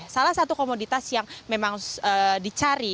salah satu komoditas yang memang dicari